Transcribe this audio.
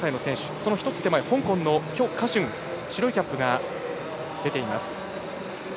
その１つ手前、香港の許家俊白いキャップが出ています。